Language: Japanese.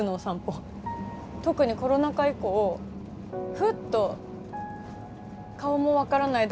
特にコロナ禍以降ふっと顔も分からない